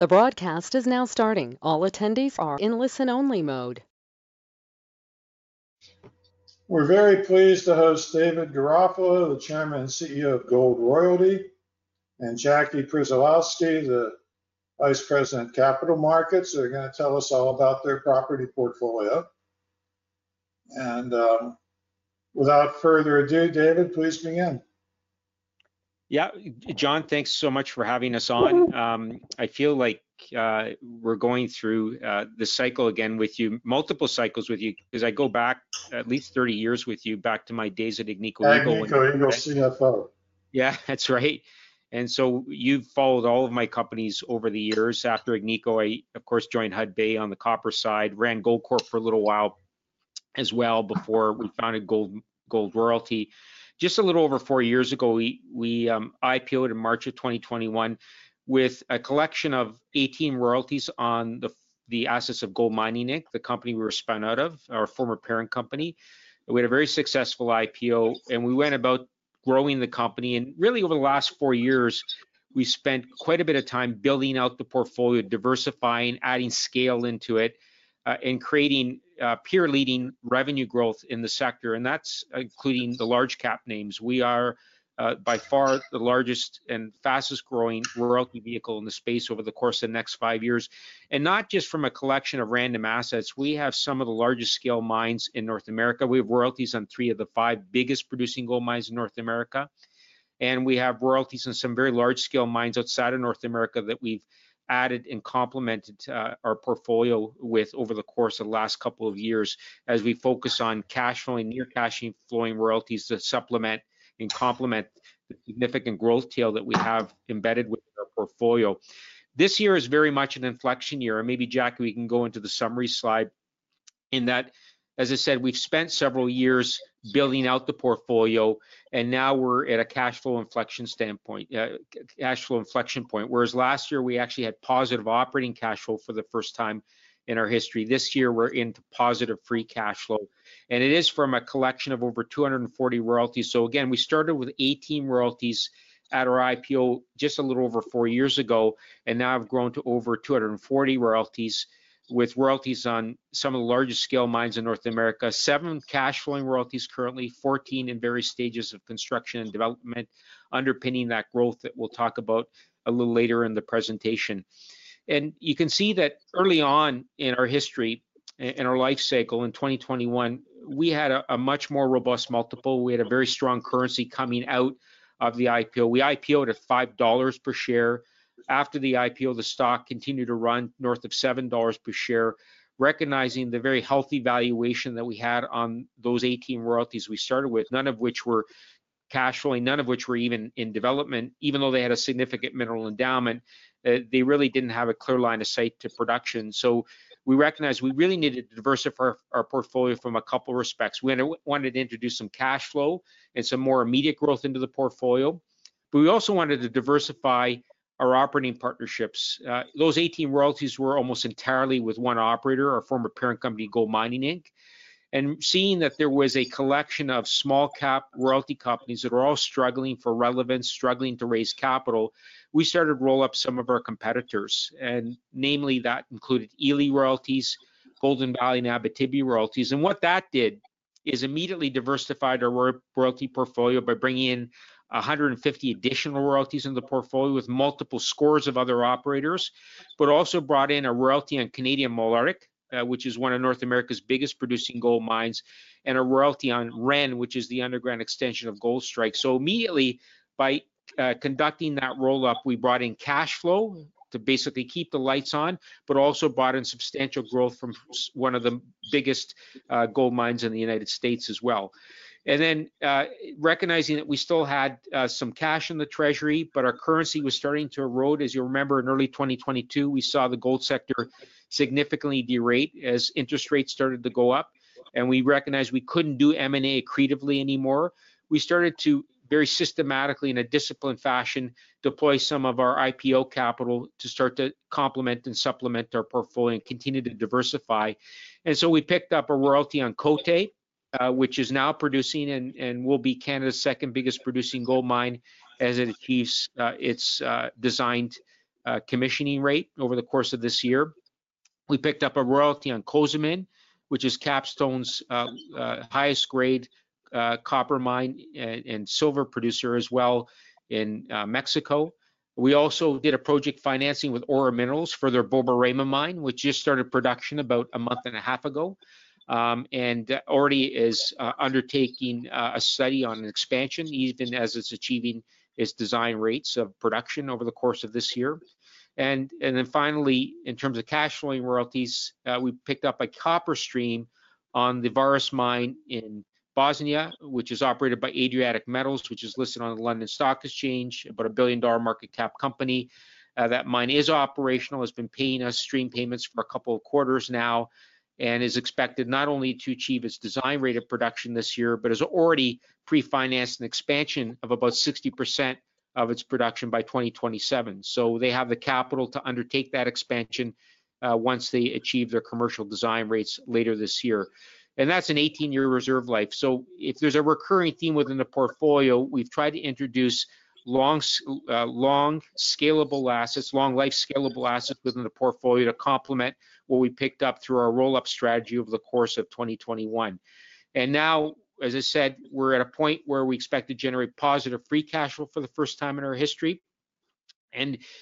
The broadcast is now starting. All attendees are in listen-only mode. We're very pleased to host David Garofalo, the Chairman and CEO of Gold Royalty, and Jackie Przybylowski, the Vice President of Capital Markets. They're going to tell us all about their property portfolio. Without further ado, David, please begin. Yeah, John, thanks so much for having us on. I feel like we're going through the cycle again with you, multiple cycles with you, as I go back at least 30 years with you, back to my days at Agnico. Agnico, Agnico CFO. Yeah, that's right. And so, you've followed all of my companies over the years. After Agnico, I, of course, joined Hudbay on the copper side, ran Goldcorp for a little while as well before we founded Gold Royalty. Just a little over four years ago, we IPO'd in March of 2021 with a collection of 18 royalties on the assets of Gold Mining, the company we were spun out of, our former parent company. We had a very successful IPO, and we went about growing the company. And really, over the last four years, we spent quite a bit of time building out the portfolio, diversifying, adding scale into it, and creating peer-leading revenue growth in the sector. And that's including the large-cap names. We are by far the largest and fastest-growing royalty vehicle in the space over the course of the next five years. Not just from a collection of random assets. We have some of the largest scale mines in North America. We have royalties on three of the five biggest producing gold mines in North America. We have royalties on some very large-scale mines outside of North America that we've added and complemented our portfolio with over the course of the last couple of years as we focus on cash flowing, near-cash flowing royalties to supplement and complement the significant growth tail that we have embedded within our portfolio. This year is very much an inflection year. Maybe, Jackie, we can go into the summary slide in that, as I said, we've spent several years building out the portfolio, and now we're at a cash flow inflection standpoint, cash flow inflection point. Whereas last year, we actually had positive operating cash flow for the first time in our history. This year, we're into positive free cash flow. And it is from a collection of over 240 royalties. Again, we started with 18 royalties at our IPO just a little over four years ago, and now have grown to over 240 royalties with royalties on some of the largest scale mines in North America. Seven cash flowing royalties currently, 14 in various stages of construction and development, underpinning that growth that we'll talk about a little later in the presentation. You can see that early on in our history, in our life cycle in 2021, we had a much more robust multiple. We had a very strong currency coming out of the IPO. We IPO'd at $5 per share. After the IPO, the stock continued to run north of $7 per share, recognizing the very healthy valuation that we had on those 18 royalties we started with, none of which were cash flowing, none of which were even in development, even though they had a significant mineral endowment. They really did not have a clear line of sight to production. We recognized we really needed to diversify our portfolio from a couple of respects. We wanted to introduce some cash flow and some more immediate growth into the portfolio. We also wanted to diversify our operating partnerships. Those 18 royalties were almost entirely with one operator, our former parent company, Gold Mining Inc. Seeing that there was a collection of small-cap royalty companies that were all struggling for relevance, struggling to raise capital, we started to roll up some of our competitors. Namely, that included Ely Gold Royalties Inc, Golden Valley Mines, and Abitibi Royalties Inc. What that did is immediately diversified our royalty portfolio by bringing in 150 additional royalties in the portfolio with multiple scores of other operators, but also brought in a royalty on Canadian Malartic, which is one of North America's biggest producing gold mines, and a royalty on Ren, which is the underground extension of Goldstrike. Immediately, by conducting that roll-up, we brought in cash flow to basically keep the lights on but also brought in substantial growth from one of the biggest gold mines in the United States as well. Recognizing that we still had some cash in the treasury, but our currency was starting to erode. As you remember, in early 2022, we saw the gold sector significantly derate as interest rates started to go up. We recognized we couldn't do M&A accretively anymore. We started to very systematically and in a disciplined fashion deploy some of our IPO capital to start to complement and supplement our portfolio and continue to diversify. We picked up a royalty on Côté, which is now producing and will be Canada's second biggest producing gold mine as it achieves its designed commissioning rate over the course of this year. We picked up a royalty on Cozamin, which is Capstone's highest-grade copper mine and silver producer as well in Mexico. We also did a project-financing with ore Minerals for their Bomboré mine, which just started production about a month and a half ago and already is undertaking a study on expansion, even as it's achieving its design rates of production over the course of this year. Finally, in terms of cash flowing royalties, we picked up a copper stream on the Vareš mine in Bosnia, which is operated by Adriatic Metals, which is listed on the London Stock Exchange, about a $1 billion market cap company. That mine is operational, has been paying us stream payments for a couple of quarters now, and is expected not only to achieve its design rate of production this year, but has already pre-financed an expansion of about 60% of its production by 2027. They have the capital to undertake that expansion once they achieve their commercial design rates later this year. That is an 18-year reserve life. If there is a recurring theme within the portfolio, we have tried to introduce long-life scalable assets within the portfolio to complement what we picked up through our roll-up strategy over the course of 2021. Now, as I said, we're at a point where we expect to generate positive free cash flow for the first time in our history.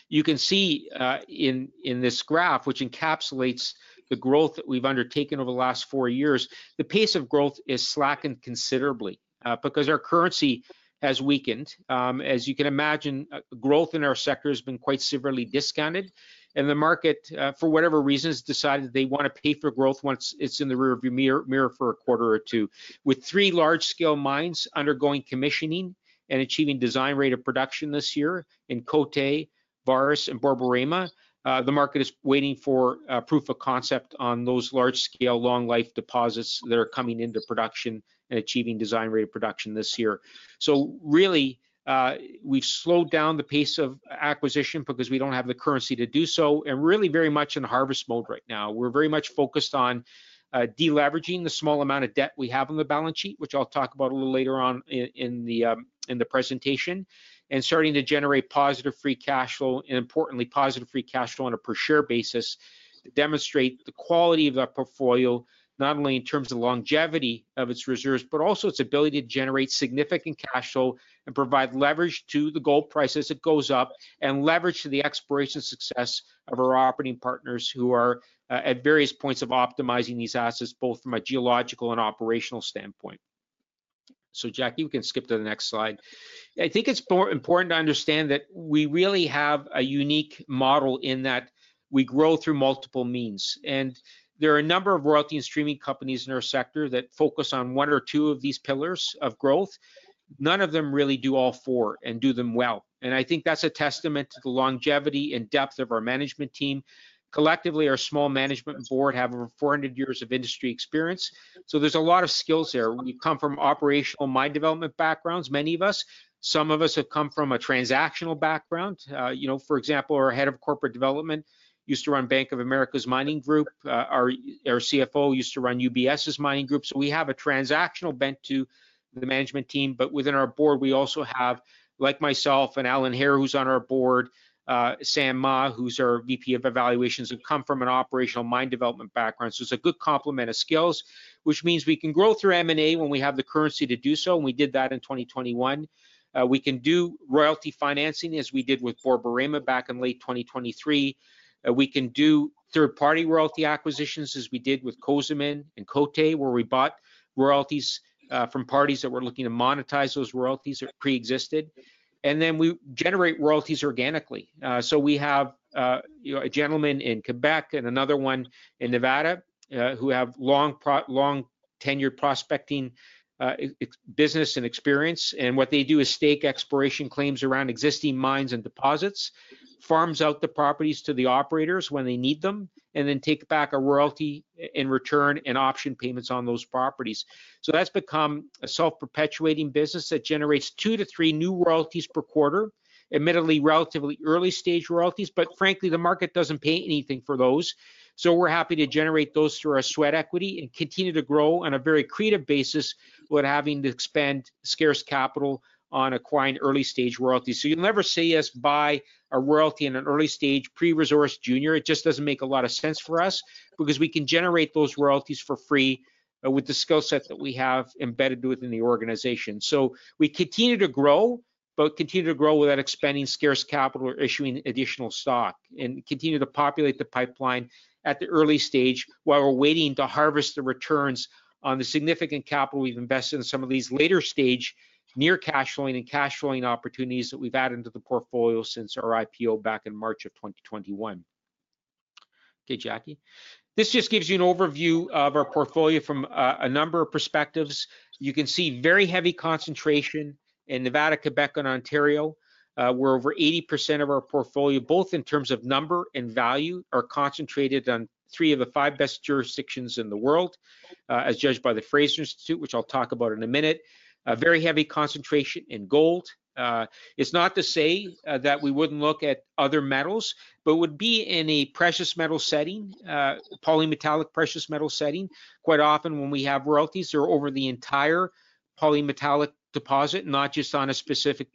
You can see in this graph, which encapsulates the growth that we've undertaken over the last four years, the pace of growth has slackened considerably because our currency has weakened. As you can imagine, growth in our sector has been quite severely discounted, and the market, for whatever reasons, decided they want to pay for growth once it's in the rearview mirror for a quarter or two. With three large-scale mines undergoing commissioning and achieving design rate of production this year in Côté, Vareš, and Bomboré, the market is waiting for proof of concept on those large-scale long-life deposits that are coming into production and achieving design rate of production this year. Really, we've slowed down the pace of acquisition because we do not have the currency to do so, and really very much in harvest mode right now. We are very much focused on deleveraging the small amount of debt we have on the balance sheet, which I will talk about a little later on in the presentation, and starting to generate positive free cashflow, and importantly, positive free cash flow on a per-share basis to demonstrate the quality of that portfolio, not only in terms of longevity of its reserves, but also its ability to generate significant cash flow and provide leverage to the gold price as it goes up and leverage to the exploration success of our operating partners who are at various points of optimizing these assets, both from a geological and operational standpoint. Jackie, we can skip to the next slide. I think it's important to understand that we really have a unique model in that we grow through multiple means. There are a number of royalty and streaming companies in our sector that focus on one or two of these pillars of growth. None of them really do all four and do them well. I think that's a testament to the longevity and depth of our management team. Collectively, our small management board has over 400 years of industry experience. There's a lot of skills there. We've come from operational mine development backgrounds, many of us. Some of us have come from a transactional background. For example, our Head of Corporate Development used to run Bank of America's mining group. Our CFO used to run UBS's mining group. We have a transactional bent to the management team. Within our board, we also have, like myself and Alan Hair, who's on our board, Samuel Mah, who's our VP of Evaluations, who come from an operational mine development background. It's a good complement of skills, which means we can grow through M&A when we have the currency to do so. We did that in 2021. We can do royalty financing as we did with Bomboré back in late 2023. We can do third-party royalty acquisitions as we did with Cozamin and Côté, where we bought royalties from parties that were looking to monetize those royalties that pre-existed. Then we generate royalties organically. We have a gentleman in Quebec and another one in Nevada who have long-tenured prospecting business and experience. What they do is Stake Expiration claims around existing mines and deposits, farm out the properties to the operators when they need them, and then take back a royalty in return and option payments on those properties. That has become a self-perpetuating business that generates two to three new royalties per quarter, admittedly relatively early-stage royalties. Frankly, the market does not pay anything for those. We are happy to generate those through our sweat equity and continue to grow on a very accretive basis without having to expend scarce capital on acquiring early-stage royalties. You will never see us buy a royalty in an early-stage pre-resource junior. It just does not make a lot of sense for us because we can generate those royalties for free with the skill set that we have embedded within the organization. We continue to grow, but continue to grow without expending scarce capital or issuing additional stock and continue to populate the pipeline at the early stage while we're waiting to harvest the returns on the significant capital we've invested in some of these later-stage near-cash flowing and cash flowing opportunities that we've added into the portfolio since our IPO back in March of 2021. Okay, Jackie. This just gives you an overview of our portfolio from a number of perspectives. You can see very heavy concentration in Nevada, Quebec, and Ontario, where over 80% of our portfolio, both in terms of number and value, are concentrated in three of the five best jurisdictions in the world, as judged by the Fraser Institute, which I'll talk about in a minute. Very heavy concentration in gold. It's not to say that we wouldn't look at other metals, but it would be in a precious metal setting, polymetallic precious metal setting. Quite often, when we have royalties, they're over the entire polymetallic deposit, not just on a specific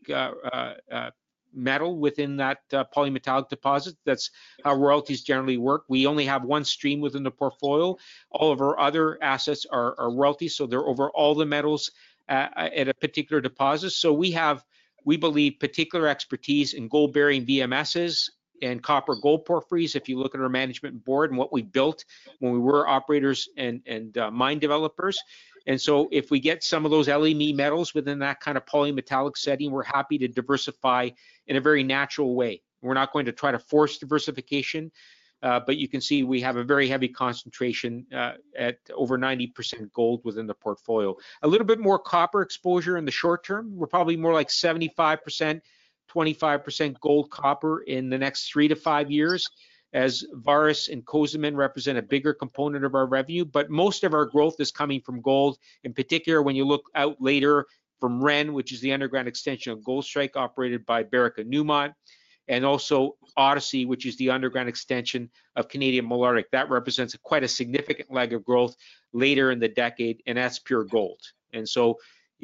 metal within that polymetallic deposit. That's how royalties generally work. We only have one stream within the portfolio. All of our other assets are royalties, so they're over all the metals at a particular deposit. We have, we believe, particular expertise in gold-bearing BMSs and copper-gold porphyries, if you look at our management board and what we built when we were operators and mine developers. If we get some of those LME metals within that kind of polymetallic setting, we're happy to diversify in a very natural way. We're not going to try to force diversification. You can see we have a very heavy concentration at over 90% gold within the portfolio. A little bit more copper exposure in the short term. We're probably more like 75%-25% gold-copper in the next three to five years as Vareš and Cozamin represent a bigger component of our revenue. Most of our growth is coming from gold, in particular when you look out later from Ren, which is the underground extension of Goldstrike operated by Barrick and Newmont, and also Odyssey, which is the underground extension of Canadian Malartic. That represents quite a significant leg of growth later in the decade, and that's pure gold.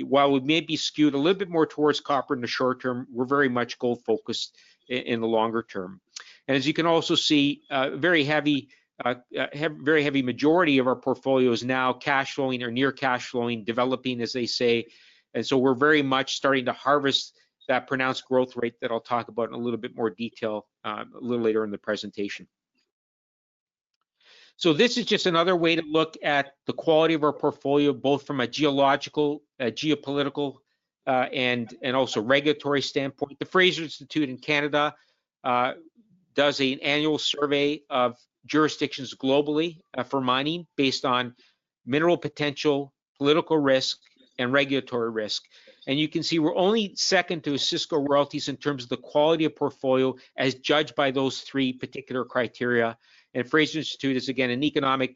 While we may be skewed a little bit more towards copper in the short term, we're very much gold-focused in the longer term. As you can also see, a very heavy majority of our portfolio is now cash flowing or near-cash flowing, developing, as they say. We are very much starting to harvest that pronounced growth rate that I'll talk about in a little bit more detail a little later in the presentation. This is just another way to look at the quality of our portfolio, both from a geological, geopolitical, and also regulatory standpoint. The Fraser Institute in Canada does an annual survey of jurisdictions globally for mining based on mineral potential, political risk, and regulatory risk. You can see we are only second to Osisko Royalties in terms of the quality of portfolio as judged by those three particular criteria. Fraser Institute is, again, an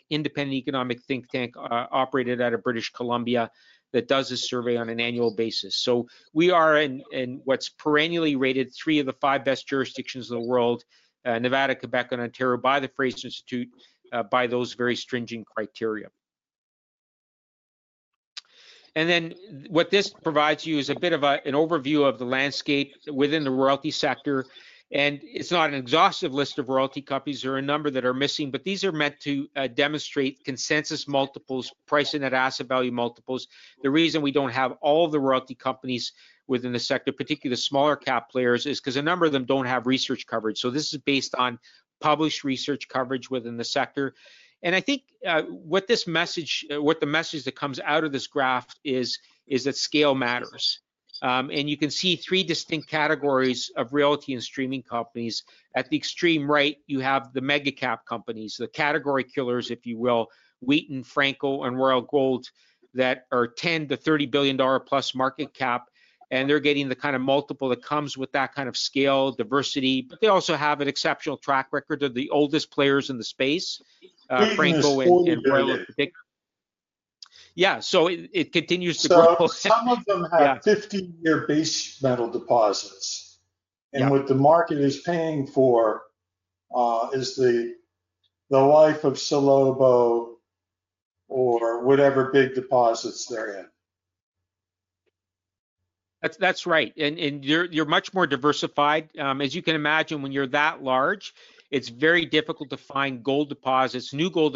independent economic think tank operated out of British Columbia that does this survey on an annual basis. We are in what's perennially rated three of the five best jurisdictions of the world, Nevada, Quebec, and Ontario, by the Fraser Institute by those very stringent criteria. What this provides you is a bit of an overview of the landscape within the royalty sector. It's not an exhaustive list of royalty companies. There are a number that are missing, but these are meant to demonstrate consensus multiples, price-net asset value multiples. The reason we don't have all the royalty companies within the sector, particularly the smaller-cap players, is because a number of them don't have research coverage. This is based on published research coverage within the sector. I think what the message that comes out of this graph is that scale matters. You can see three distinct categories of royalty and streaming companies. At the extreme right, you have the mega-cap companies, the category killers, if you will, Wheaton, Franco, and Royal Gold that are $10 billion-$30 billion plus market cap. They're getting the kind of multiple that comes with that kind of scale, diversity. They also have an exceptional track record of the oldest players in the space, Franco and Royal in particular. Yeah. It continues to grow both. Some of them have 50-year base metal deposits. What the market is paying for is the life of Salobo or whatever big deposits they're in. That's right. You're much more diversified. As you can imagine, when you're that large, it's very difficult to find new gold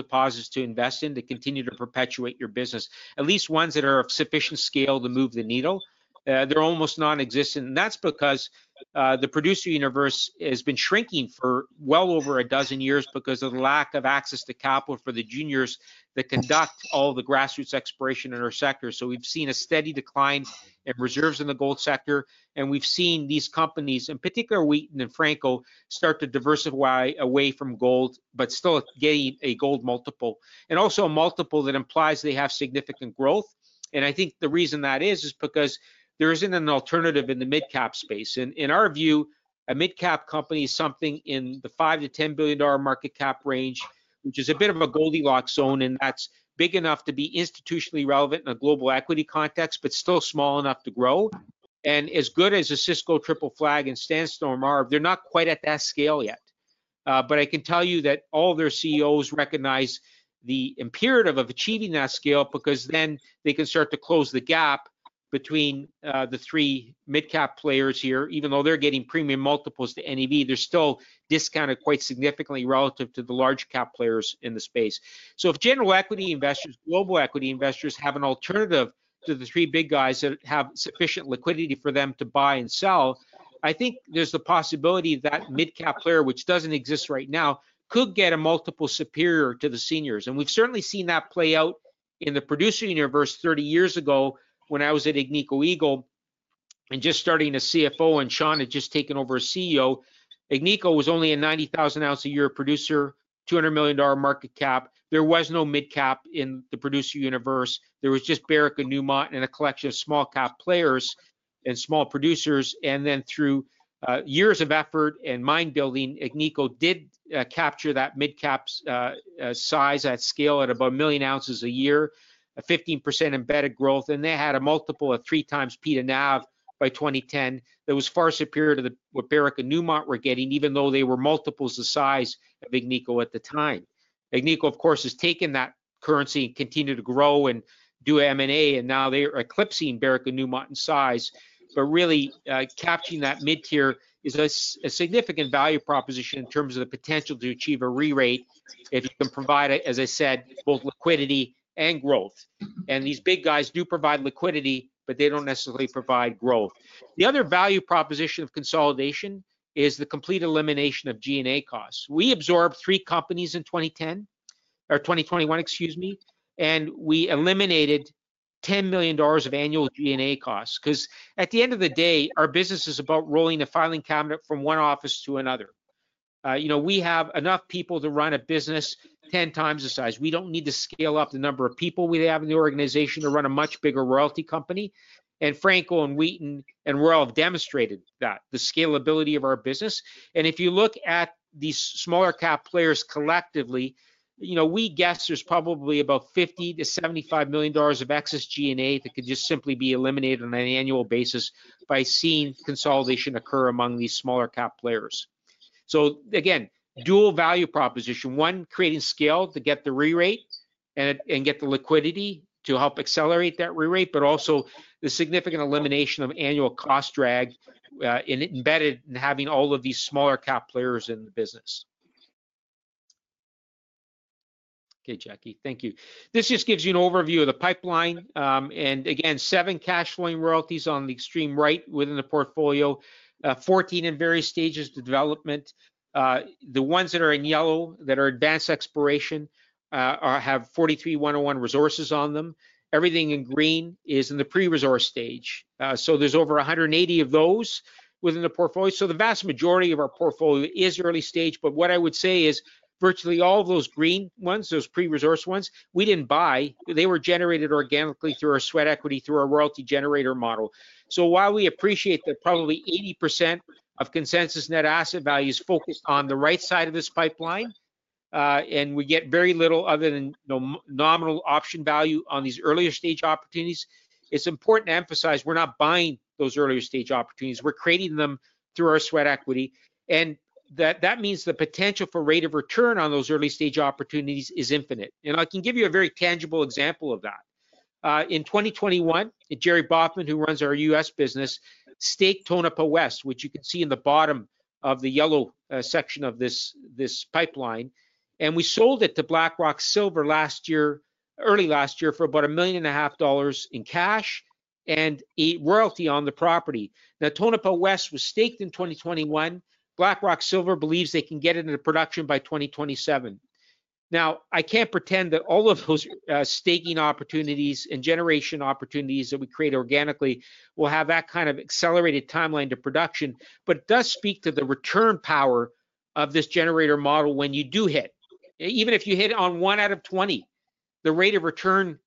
deposits to invest in to continue to perpetuate your business, at least ones that are of sufficient scale to move the needle. They're almost non-existent. That's because the producer universe has been shrinking for well over a dozen years because of the lack of access to capital for the juniors that conduct all the grassroots exploration in our sector. We've seen a steady decline in reserves in the gold sector. We've seen these companies, in particular Wheaton and Franco, start to diversify away from gold, but still getting a gold multiple and also a multiple that implies they have significant growth. I think the reason that is is because there isn't an alternative in the mid-cap space. In our view, a mid-cap company is something in the $5 billion-$10 billion market cap range, which is a bit of a Goldilocks zone, and that's big enough to be institutionally relevant in a global equity context, but still small enough to grow. As good as Osisko, Triple Flag, and Sandstorm are, they're not quite at that scale yet. I can tell you that all their CEOs recognize the imperative of achieving that scale because then they can start to close the gap between the three mid-cap players here. Even though they're getting premium multiples to NAV, they're still discounted quite significantly relative to the large-cap players in the space. If general equity investors, global equity investors have an alternative to the three big guys that have sufficient liquidity for them to buy and sell, I think there's the possibility that mid-cap player, which doesn't exist right now, could get a multiple superior to the seniors. We've certainly seen that play out in the producer universe 30 years ago when I was at Agnico Eagle and just starting as CFO and Sean had just taken over as CEO. Agnico was only a 90,000 ounce a year producer, $200 million market cap. There was no mid-cap in the producer universe. There was just Barrick, Newmont, and a collection of small-cap players and small producers. Through years of effort and mine building, Agnico did capture that mid-cap size at scale at about a million ounces a year, a 15% embedded growth. They had a multiple of three times P/NAV by 2010 that was far superior to what Barrick and Newmont were getting, even though they were multiples the size of Agnico at the time. Agnico, of course, has taken that currency and continued to grow and do M&A. Now they are eclipsing Barrick and Newmont in size. Really, capturing that mid-tier is a significant value proposition in terms of the potential to achieve a re-rate if you can provide, as I said, both liquidity and growth. These big guys do provide liquidity, but they do not necessarily provide growth. The other value proposition of consolidation is the complete elimination of G&A costs. We absorbed three companies in 2021, excuse me, and we eliminated $10 million of annual G&A costs because at the end of the day, our business is about rolling a filing cabinet from one office to another. We have enough people to run a business 10 times the size. We do not need to scale up the number of people we have in the organization to run a much bigger royalty company. Franco-Nevada, Wheaton, and Royal Gold have demonstrated that, the scalability of our business. If you look at these smaller-cap players collectively, we guess there's probably about $50 million-$75 million of excess G&A that could just simply be eliminated on an annual basis by seeing consolidation occur among these smaller-cap players. Again, dual value proposition, one creating scale to get the re-rate and get the liquidity to help accelerate that re-rate, but also the significant elimination of annual cost drag embedded in having all of these smaller-cap players in the business. Okay, Jackie. Thank you. This just gives you an overview of the pipeline. Again, seven cash flowing royalties on the extreme right within the portfolio, 14 in various stages of development. The ones that are in yellow that are advanced exploration have 43-101 resources on them. Everything in green is in the pre-resource stage. There are over 180 of those within the portfolio. The vast majority of our portfolio is early stage. What I would say is virtually all of those green ones, those pre-resource ones, we did not buy. They were generated organically through our sweat equity, through our royalty generator model. While we appreciate that probably 80% of consensus net asset value is focused on the right side of this pipeline and we get very little other than nominal option value on these earlier stage opportunities, it is important to emphasize we are not buying those earlier stage opportunities. We are creating them through our sweat equity. That means the potential for rate of return on those early stage opportunities is infinite. I can give you a very tangible example of that. In 2021, Jerry Bofman, who runs our U.S. business, staked Tonopah West, which you can see in the bottom of the yellow section of this pipeline. We sold it to Blackrock Silver early last year for about $1.5 million in cash and a royalty on the property. Now, Tonopah West was staked in 2021. Blackrock Silver believes they can get it into production by 2027. I cannot pretend that all of those staking opportunities and generation opportunities that we create organically will have that kind of accelerated timeline to production, but it does speak to the return power of this generator model when you do hit. Even if you hit on one out of 20, the rate of return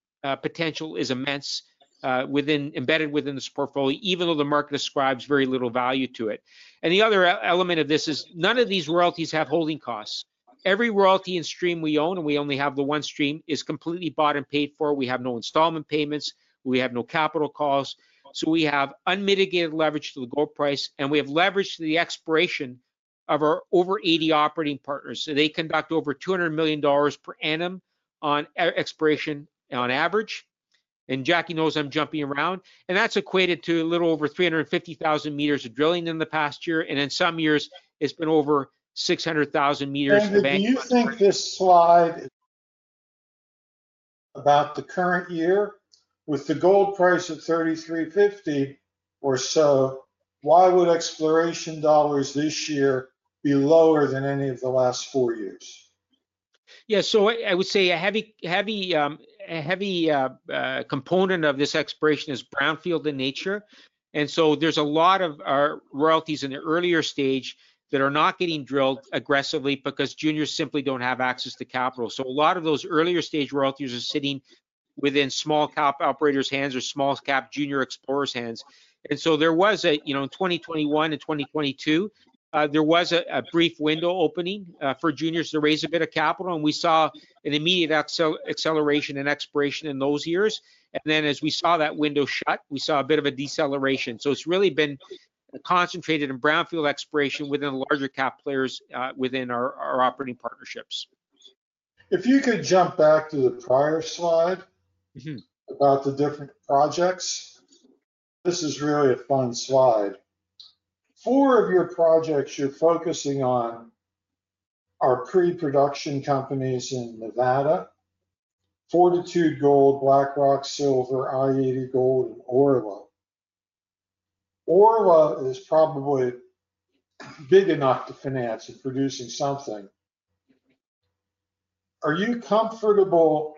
potential is immense embedded within this portfolio, even though the market ascribes very little value to it. The other element of this is none of these royalties have holding costs. Every royalty and stream we own, and we only have the one stream, is completely bought and paid for. We have no installment payments. We have no capital costs. We have unmitigated leverage to the gold price, and we have leverage to the exploration of our over 80 operating partners. They conduct over $200 million per annum on exploration on average. Jackie knows I'm jumping around. That has equated to a little over 350,000 meters of drilling in the past year. In some years, it's been over 600,000 meters of drilling. Do you think this slide about the current year with the gold price at $3,350 or so, why would exploration dollars this year be lower than any of the last four years? I would say a heavy component of this exploration is brownfield in nature. There's a lot of royalties in the earlier stage that are not getting drilled aggressively because juniors simply do not have access to capital. A lot of those earlier stage royalties are sitting within small-cap operators' hands or small-cap junior explorers' hands. There was a, in 2021 and 2022, there was a brief window opening for juniors to raise a bit of capital. We saw an immediate acceleration in exploration in those years. As we saw that window shut, we saw a bit of a deceleration. It has really been concentrated in brownfield exploration within the larger-cap players within our operating partnerships. If you could jump back to the prior slide about the different projects, this is really a fun slide. Four of your projects you're focusing on are pre-production companies in Nevada: Fortitude Gold, Blackrock Silver, i-80 Gold, and Orla. Orla is probably big enough to finance and produce something. Are you comfortable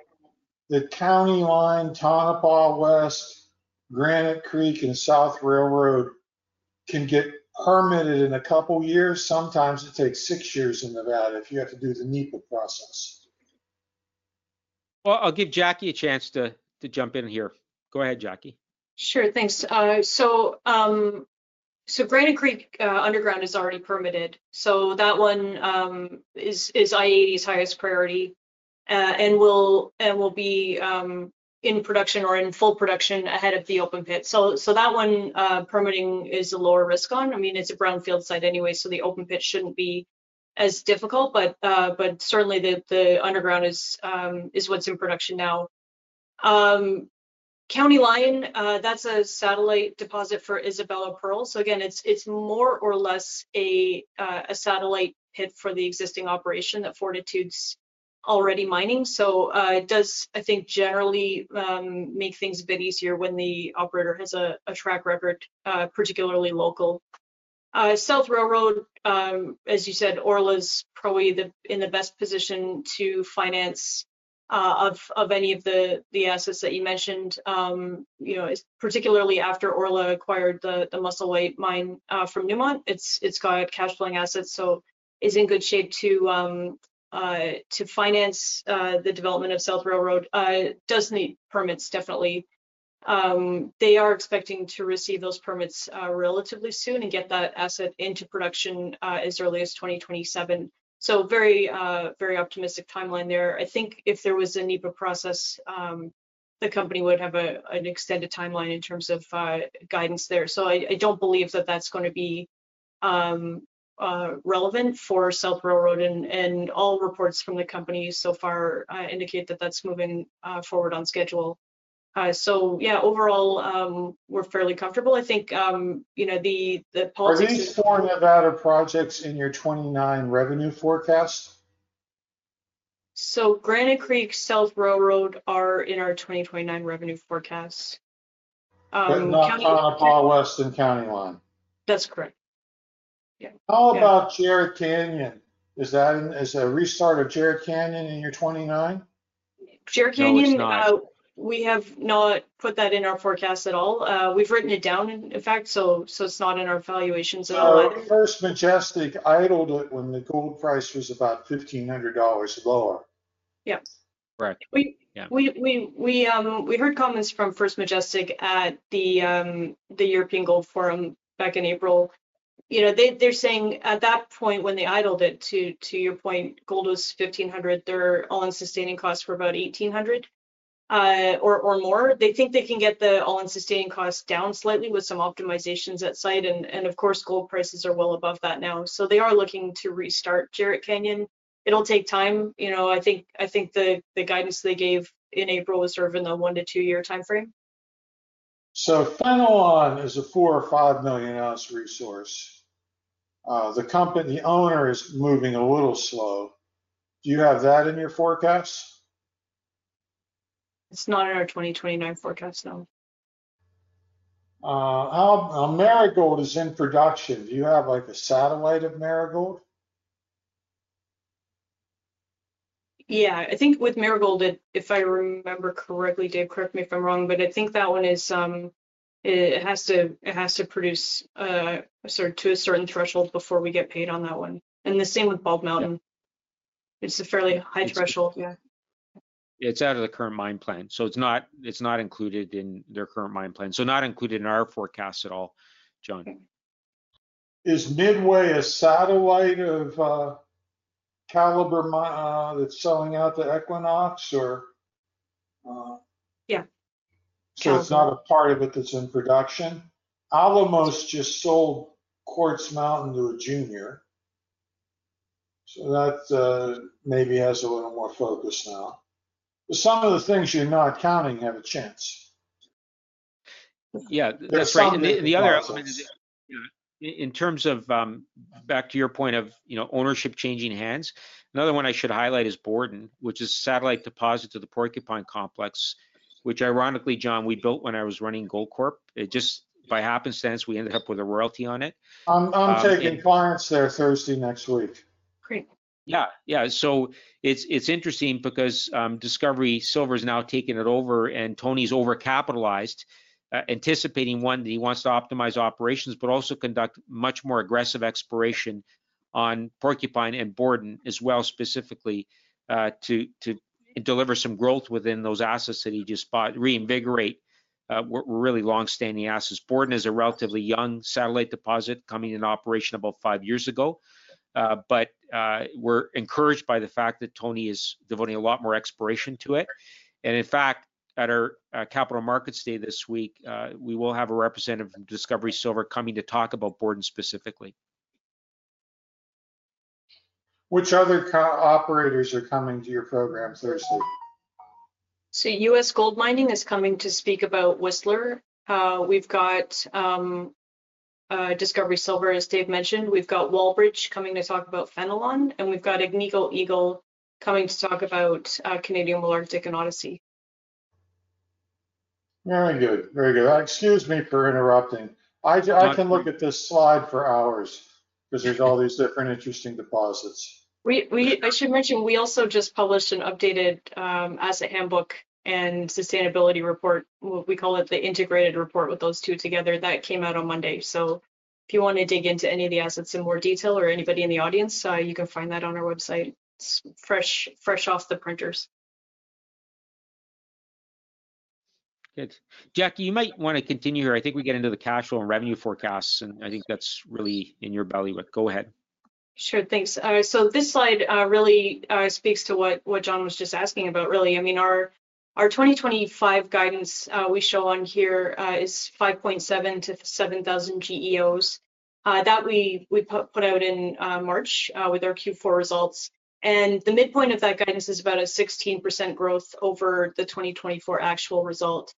that County Line, Tonopah West, Granite Creek, and South Railroad can get permitted in a couple of years? Sometimes it takes six years in Nevada if you have to do the NEPA process. I'll give Jackie a chance to jump in here. Go ahead, Jackie. Sure. Thanks. Granite Creek Underground is already permitted. That one is i-80's highest priority and will be in production or in full production ahead of the open pit. That one, permitting is a lower risk on. I mean, it's a brownfield site anyway, so the open pit shouldn't be as difficult. Certainly, the underground is what's in production now. County Line, that's a satellite deposit for Isabella Pearl. Again, it's more or less a satellite pit for the existing operation that Fortitude's already mining. It does, I think, generally make things a bit easier when the operator has a track record, particularly local. South Railroad, as you said, Orla is probably in the best position to finance of any of the assets that you mentioned, particularly after Orla acquired the Musselwhite mine from Newmont. It's got cash flowing assets, so it's in good shape to finance the development of South Railroad. It does need permits, definitely. They are expecting to receive those permits relatively soon and get that asset into production as early as 2027. Very optimistic timeline there. I think if there was a NEPA process, the company would have an extended timeline in terms of guidance there. I don't believe that that's going to be relevant for South Railroad. All reports from the company so far indicate that that's moving forward on schedule. Yeah, overall, we're fairly comfortable. I think the policies. Are these four Nevada projects in your 2029 revenue forecast? Granite Creek, South Railroad are in our 2029 revenue forecast. But not Tonopah West and County Line. That's correct. Yeah. How about Jerritt Canyon? Is that a restart of Jerritt Canyon in your 2029? Jerritt Canyon, we have not put that in our forecast at all. We've written it down, in fact. So it's not in our valuations at all either. First Majestic idled it when the gold price was about $1,500 lower. Yep. Correct. We heard comments from First Majestic at the European Gold Forum back in April. They're saying at that point, when they idled it, to your point, gold was $1,500. Their all-in sustaining costs were about $1,800 or more. They think they can get the all-in sustaining costs down slightly with some optimizations at site. Of course, gold prices are well above that now. They are looking to restart Jerritt Canyon. It'll take time. I think the guidance they gave in April was sort of in the one to two-year timeframe. Fenelon is a 4-5 million ounce resource. The company owner is moving a little slow. Do you have that in your forecast? It's not in our 2029 forecast, no. How about Marigold is in production. Do you have a satellite of Marigold? Yeah. I think with Marigold, if I remember correctly, Dave, correct me if I'm wrong, but I think that one has to produce to a certain threshold before we get paid on that one. The same with Bald Mountain. It's a fairly high threshold. Yeah. It's out of the current mine plan. It's not included in their current mine plan. Not included in our forecast at all, John. Is Midway a satellite of Calibre that's selling out to Equinox, or? Yeah. It's not a part of it that's in production. Alamos just sold Quartz Mountain to a junior. That maybe has a little more focus now. Some of the things you're not counting have a chance. Yeah. That's right. The other element is in terms of, back to your point of ownership changing hands, another one I should highlight is Borden, which is a satellite deposit to the Porcupine Complex, which ironically, John, we built when I was running Goldcorp. Just by happenstance, we ended up with a royalty on it. I'm taking clients there Thursday next week. Great. Yeah. Yeah. It's interesting because Discovery Silver has now taken it over, and Tony's overcapitalized, anticipating one that he wants to optimize operations, but also conduct much more aggressive exploration on Porcupine and Borden as well, specifically to deliver some growth within those assets that he just bought, reinvigorate really long-standing assets. Borden is a relatively young satellite deposit coming into operation about five years ago. We're encouraged by the fact that Tony is devoting a lot more exploration to it. In fact, at our Capital Markets Day this week, we will have a representative from Discovery Silver coming to talk about Borden specifically. Which other operators are coming to your program Thursday? U.S. GoldMining is coming to speak about Whistler. We've got Discovery Silver, as Dave mentioned. We've got Walbridge coming to talk about Fenelon. We've got Agnico Eagle coming to talk about Canadian Malartic and Odyssey. Very good. Very good. Excuse me for interrupting. I can look at this slide for hours because there are all these different interesting deposits. I should mention we also just published an updated asset handbook and sustainability report. We call it the Integrated report with those two together. That came out on Monday. If you want to dig into any of the assets in more detail or anybody in the audience, you can find that on our website. It's fresh off the printers. Good. Jackie, you might want to continue here. I think we get into the cash flow and revenue forecasts, and I think that's really in your belly with. Go ahead. Sure. Thanks. This slide really speaks to what John was just asking about, really. I mean, our 2025 guidance we show on here is 5,700-7,000 GEOs. That we put out in March with our Q4 results. The midpoint of that guidance is about a 16% growth over the 2024 actual result.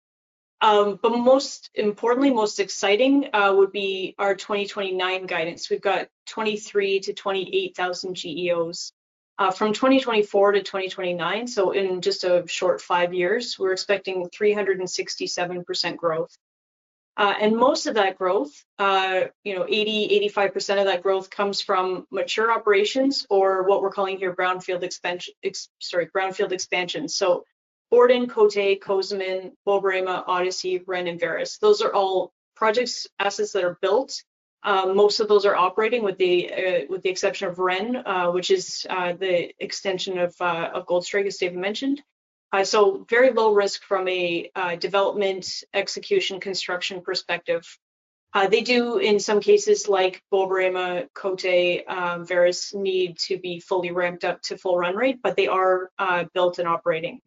Most importantly, most exciting would be our 2029 guidance. We have 23,000-28,000 GEOs from 2024 to 2029. In just a short five years, we are expecting 367% growth. Most of that growth, 80%-85% of that growth, comes from mature operations or what we are calling here brownfield expansion. Borden, Côté, Cozamin, Bomboré, Odyssey, Ren, and Vareš. Those are all projects, assets that are built. Most of those are operating with the exception of Ren, which is the extension of Goldstrike, as Dave mentioned. Very low risk from a development, execution, construction perspective. They do, in some cases like Bomboré, Côté, Vareš need to be fully ramped up to full run rate, but they are built and operating.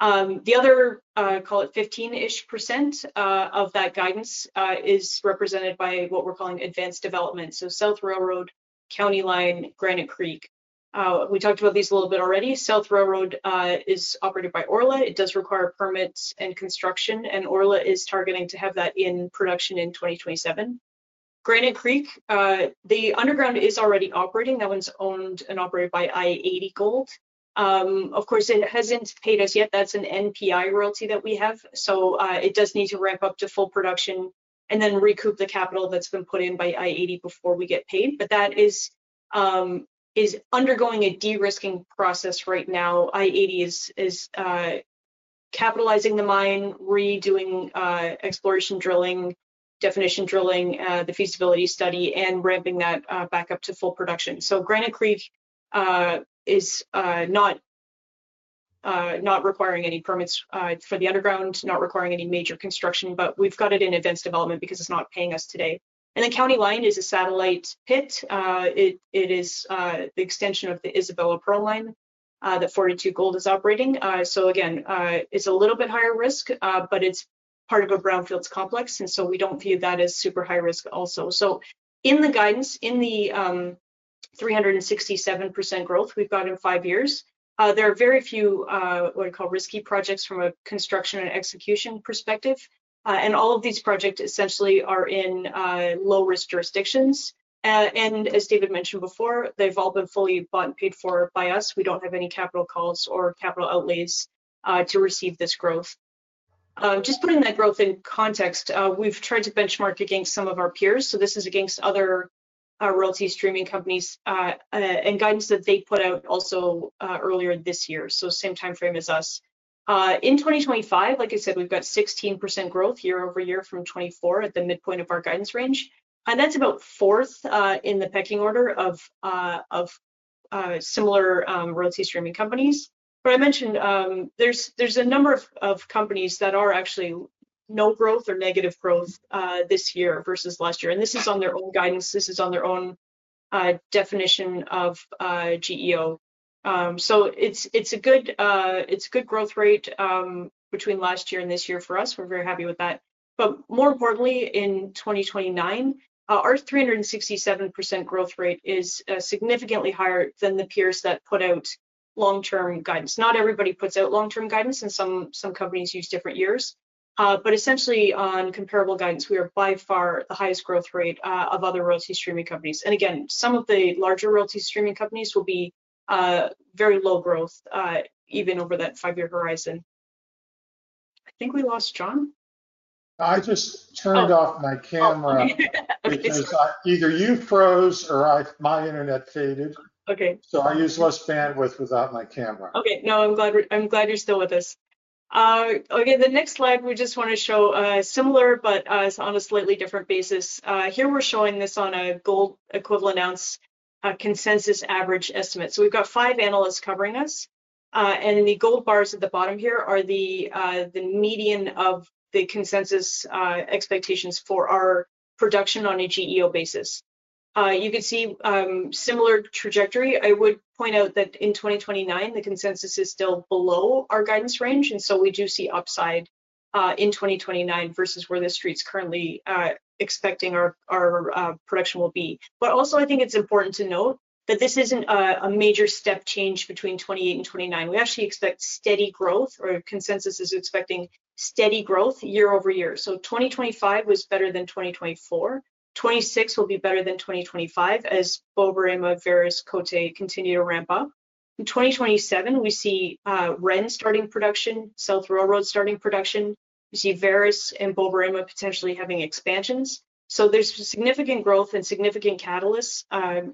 The other, call it 15% of that guidance is represented by what we're calling advanced development. South Railroad, County Line, Granite Creek. We talked about these a little bit already. South Railroad is operated by Orla. It does require permits and construction. Orla is targeting to have that in production in 2027. Granite Creek, the underground is already operating. That one's owned and operated by i-80 Gold. Of course, it hasn't paid us yet. That's an NPI royalty that we have. It does need to ramp up to full production and then recoup the capital that's been put in by i-80 before we get paid. That is undergoing a de-risking process right now. IED is capitalizing the mine, redoing exploration drilling, definition drilling, the feasibility study, and ramping that back up to full production. Granite Creek is not requiring any permits for the underground, not requiring any major construction, but we've got it in advanced development because it's not paying us today. County Line is a satellite pit. It is the extension of the Isabella Pearl Line that Fortitude Gold is operating. Again, it's a little bit higher risk, but it's part of a brownfields complex. We don't view that as super high risk also. In the guidance, in the 367% growth we've got in five years, there are very few what we call risky projects from a construction and execution perspective. All of these projects essentially are in low-risk jurisdictions. As David mentioned before, they've all been fully bought and paid for by us. We do not have any capital calls or capital outlays to receive this growth. Just putting that growth in context, we have tried to benchmark against some of our peers. This is against other royalty streaming companies and guidance that they put out also earlier this year, same timeframe as us. In 2025, like I said, we have 16% growth year-over-year from 2024 at the midpoint of our guidance range. That is about fourth in the pecking order of similar royalty streaming companies. I mentioned there are a number of companies that are actually no growth or negative growth this year versus last year. This is on their own guidance. This is on their own definition of GEO. It is a good growth rate between last year and this year for us. We're very happy with that. More importantly, in 2029, our 367% growth rate is significantly higher than the peers that put out long-term guidance. Not everybody puts out long-term guidance, and some companies use different years. Essentially, on comparable guidance, we are by far the highest growth rate of other royalty streaming companies. Again, some of the larger royalty streaming companies will be very low growth even over that five-year horizon. I think we lost John. I just turned off my camera because either you froze or my internet faded. I use less bandwidth without my camera. Okay. No, I'm glad you're still with us. Okay. The next slide, we just want to show a similar, but on a slightly different basis. Here we're showing this on a gold equivalent ounce consensus average estimate. We've got five analysts covering us. The gold bars at the bottom here are the median of the consensus expectations for our production on a GEO basis. You can see similar trajectory. I would point out that in 2029, the consensus is still below our guidance range. We do see upside in 2029 versus where the street's currently expecting our production will be. I think it's important to note that this isn't a major step change between 2028 and 2029. We actually expect steady growth, or consensus is expecting steady growth year-over-year. 2025 was better than 2024. 2026 will be better than 2025 as Bomboré, Vareš, Côté continue to ramp up. In 2027, we see Ren starting production, South Railroad starting production. We see Vareš and Bomboré potentially having expansions. There is significant growth and significant catalysts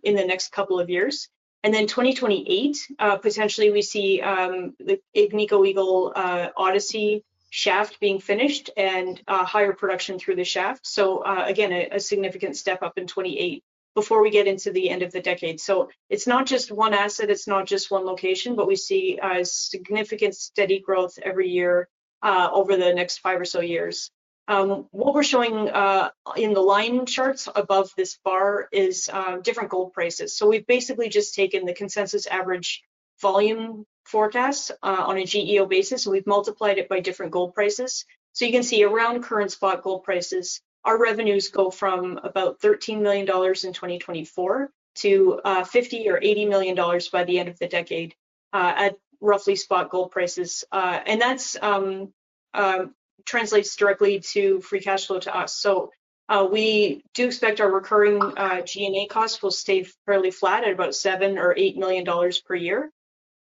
in the next couple of years. In 2028, potentially we see Agnico Eagle, Odyssey Shaft being finished and higher production through the Shaft. Again, a significant step up in 2028 before we get into the end of the decade. It is not just one asset. It is not just one location, but we see significant steady growth every year over the next five or so years. What we are showing in the line charts above this bar is different gold prices. We have basically just taken the consensus average volume forecast on a GEO basis. We have multiplied it by different gold prices. You can see around current spot gold prices, our revenues go from about $13 million in 2024 to $50 million or $80 million by the end of the decade at roughly spot gold prices. That translates directly to free cash flow to us. We do expect our recurring G&A costs will stay fairly flat at about $7 million or $8 million per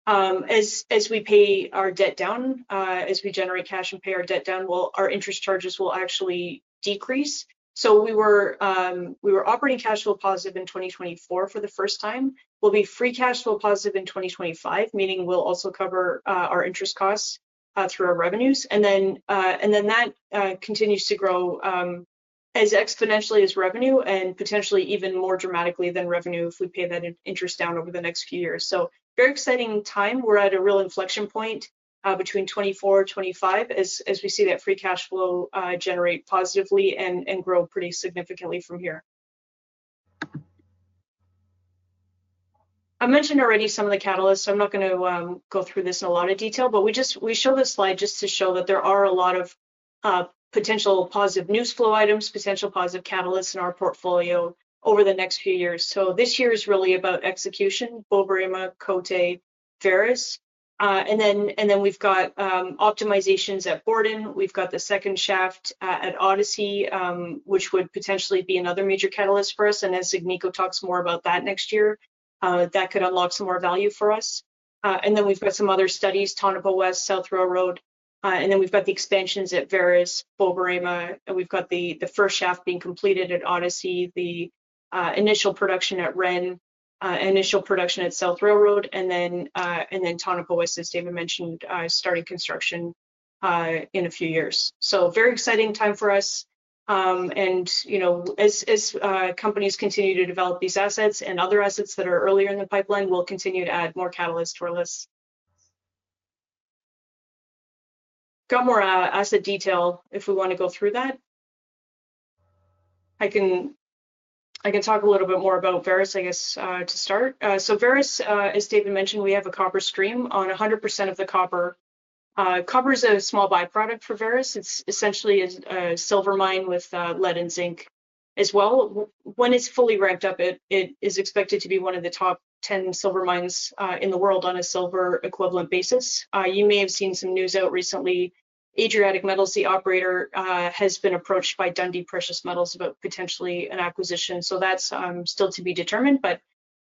year. As we pay our debt down, as we generate cash and pay our debt down, our interest charges will actually decrease. We were operating cash flow positive in 2024 for the first time. We will be free cash flow positive in 2025, meaning we will also cover our interest costs through our revenues. That continues to grow as exponentially as revenue and potentially even more dramatically than revenue if we pay that interest down over the next few years. Very exciting time. We are at a real inflection point between 2024-2025 as we see that free cash flow generate positively and grow pretty significantly from here. I mentioned already some of the catalysts. I'm not going to go through this in a lot of detail, but we show this slide just to show that there are a lot of potential positive news flow items, potential positive catalysts in our portfolio over the next few years. This year is really about execution, Bomboré, Côté, Vareš. We have optimizations at Borden. We have the second shaft at Odyssey, which would potentially be another major catalyst for us. As Agnico talks more about that next year, that could unlock some more value for us. We have some other studies, Tonopah West, South Railroad. We have the expansions at Vareš, Bomboré. We have the first shaft being completed at Odyssey, the initial production at Ren, initial production at South Railroad, and then Tonopah West, as David mentioned, starting construction in a few years. Very exciting time for us. As companies continue to develop these assets and other assets that are earlier in the pipeline, we'll continue to add more catalysts to our list. Got more asset detail if we want to go through that. I can talk a little bit more about Vareš, I guess, to start. Vareš, as David mentioned, we have a copper stream on 100% of the copper. Copper is a small byproduct for Vareš. It's essentially a silver mine with lead and zinc as well. When it's fully ramped up, it is expected to be one of the top 10 silver mines in the world on a silver equivalent basis. You may have seen some news out recently. Adriatic Metals, the operator, has been approached by Dundee Precious Metals about potentially an acquisition. That is still to be determined.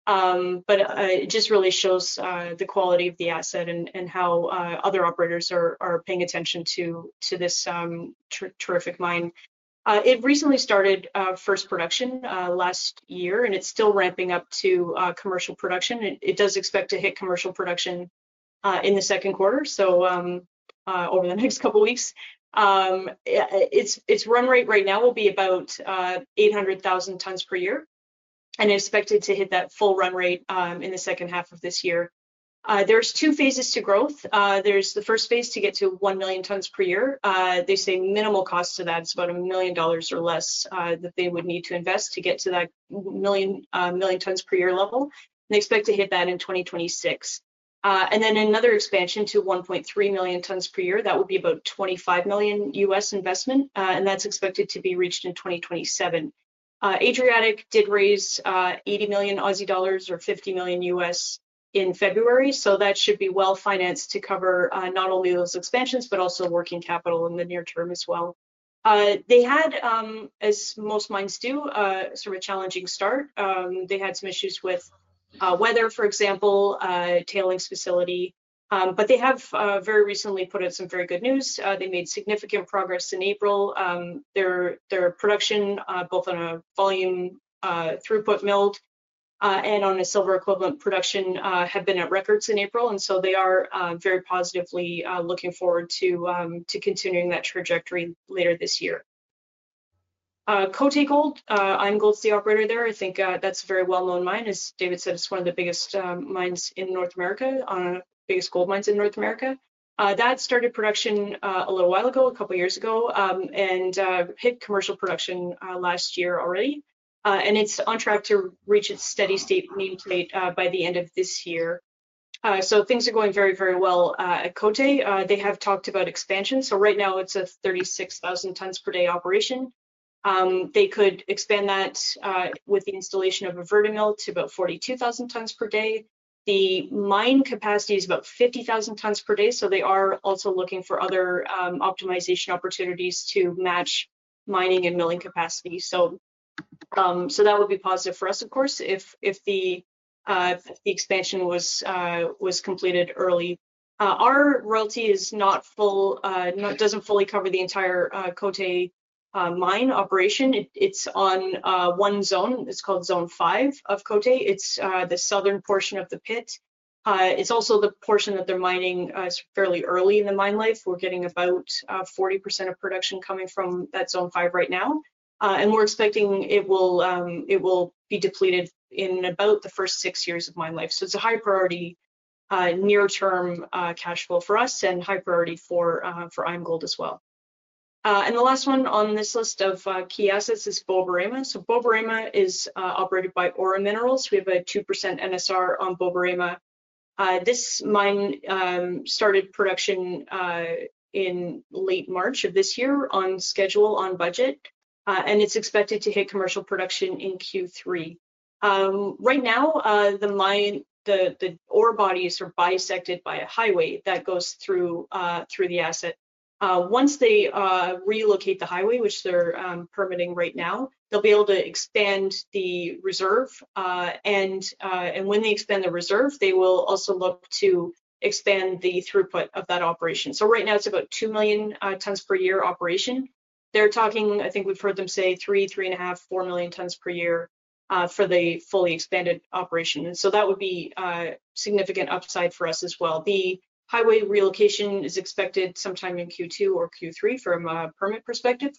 It just really shows the quality of the asset and how other operators are paying attention to this terrific mine. It recently started first production last year, and it's still ramping up to commercial production. It does expect to hit commercial production in the second quarter, so over the next couple of weeks. Its run rate right now will be about 800,000 tons per year. It's expected to hit that full run rate in the second half of this year. There are two phases to growth. There's the first phase to get to 1 million tons per year. They say minimal cost to that is about $1 million or less that they would need to invest to get to that 1 million tons per year level. They expect to hit that in 2026. Then another expansion to 1.3 million tons per year. That would be about $25 million U.S. investment. And that's expected to be reached in 2027. Adriatic did raise 80 million Aussie dollars or $50 million US in February. So that should be well financed to cover not only those expansions but also working capital in the near term as well. They had, as most mines do, sort of a challenging start. They had some issues with weather, for example, tailings facility. But they have very recently put out some very good news. They made significant progress in April. Their production, both on a volume throughput milled and on a silver equivalent production, have been at records in April. And so they are very positively looking forward to continuing that trajectory later this year. Côté Gold, IAMGOLD's the operator there. I think that's a very well-known mine. As David said, it's one of the biggest mines in North America, one of the biggest gold mines in North America. That started production a little while ago, a couple of years ago, and hit commercial production last year already. It's on track to reach its steady state nameplate by the end of this year. Things are going very, very well at Côté. They have talked about expansion. Right now, it's a 36,000 tons per day operation. They could expand that with the installation of a Vertimill to about 42,000 tons per day. The mine capacity is about 50,000 tons per day. They are also looking for other optimization opportunities to match mining and milling capacity. That would be positive for us, of course, if the expansion was completed early. Our royalty doesn't fully cover the entire Côté mine operation. It's on one zone. It's called Zone 5 of Côté. It's the southern portion of the pit. It's also the portion that they're mining fairly early in the mine life. We're getting about 40% of production coming from that Zone 5 right now. We're expecting it will be depleted in about the first six years of mine life. It is a high-priority near-term cash flow for us and high-priority for IAMGOLD as well. The last one on this list of key assets is Bomboré. Bomboré is operated by Orezone. We have a 2% NSR on Bomboré. This mine started production in late March of this year on schedule, on budget. It is expected to hit commercial production in Q3. Right now, the ore bodies are bisected by a highway that goes through the asset. Once they relocate the highway, which they're permitting right now, they'll be able to expand the reserve. When they expand the reserve, they will also look to expand the throughput of that operation. Right now, it's about 2 million tons per year operation. They're talking, I think we've heard them say 3-3.5, 4 million tons per year for the fully expanded operation. That would be a significant upside for us as well. The highway relocation is expected sometime in Q2 or Q3 from a permit perspective.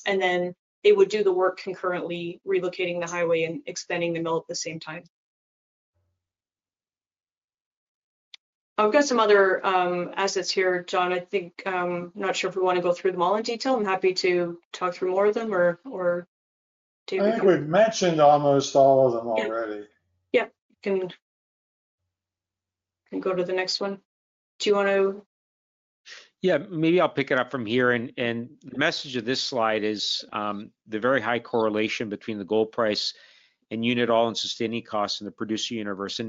They would do the work concurrently, relocating the highway and expanding the mill at the same time. I've got some other assets here, John. I think I'm not sure if we want to go through them all in detail. I'm happy to talk through more of them or David. I think we've mentioned almost all of them already. Yep. You can go to the next one. Do you want to? Yeah. Maybe I'll pick it up from here. The message of this slide is the very high correlation between the gold price and unit all-in sustaining costs in the producer universe.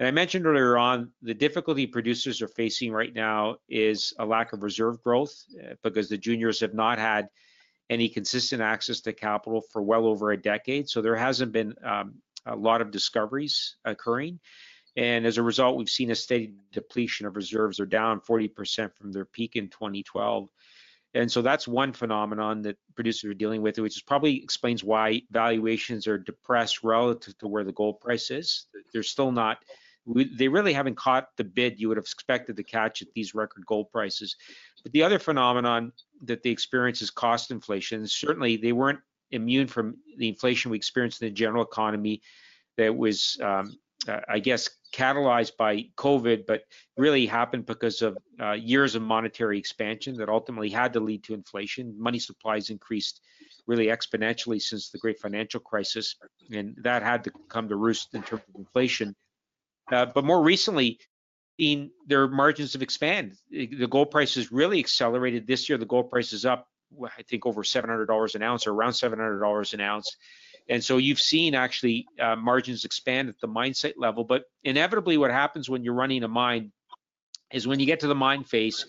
I mentioned earlier on, the difficulty producers are facing right now is a lack of reserve growth because the juniors have not had any consistent access to capital for well over a decade. There hasn't been a lot of discoveries occurring. As a result, we've seen a steady depletion of reserves. They're down 40% from their peak in 2012. That is one phenomenon that producers are dealing with, which probably explains why valuations are depressed relative to where the gold price is. They really haven't caught the bid you would have expected to catch at these record gold prices. The other phenomenon that they experience is cost inflation. Certainly, they weren't immune from the inflation we experienced in the general economy that was, I guess, catalyzed by COVID, but really happened because of years of monetary expansion that ultimately had to lead to inflation. Money supplies increased really exponentially since the Great Financial Crisis. That had to come to roost in terms of inflation. More recently, their margins have expanded. The gold price has really accelerated this year. The gold price is up, I think, over $700 an ounce, around $700 an ounce. You have seen actually margins expand at the mine site level. Inevitably, what happens when you're running a mine is when you get to the mine phase,